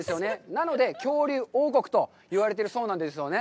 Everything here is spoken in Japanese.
なので、恐竜王国といわれているそうなんですよね。